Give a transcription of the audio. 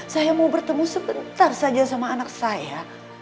saya mau bertemu sebentar saja sama anak saya